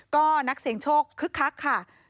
ก็นักเสียงโชคคึกคักค่ะ